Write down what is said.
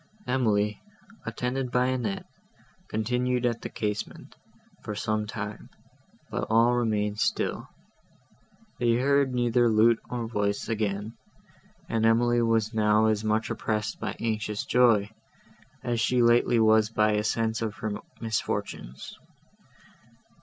Emily, attended by Annette, continued at the casement, for some time, but all remained still; they heard neither lute nor voice again, and Emily was now as much oppressed by anxious joy, as she lately was by a sense of her misfortunes.